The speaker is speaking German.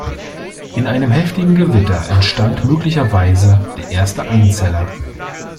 In einem heftigen Gewitter entstand möglicherweise der erste Einzeller.